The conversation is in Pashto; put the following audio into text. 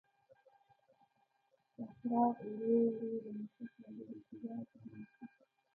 صخره ورو ورو له موږ څخه لیرې کېده او پناه شوه.